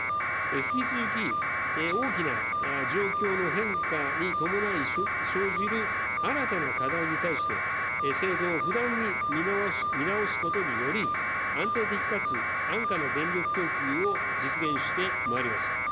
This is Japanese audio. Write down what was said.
引き続き大きな状況の変化に伴い生じる新たな課題に対して、制度を不断に見直すことにより、安定的かつ安価な電力供給を実現してまいります。